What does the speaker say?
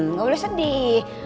nggak boleh sedih